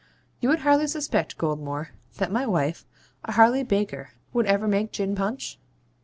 'You would hardly suspect, Goldmore, that my wife, a Harley Baker, would ever make gin punch?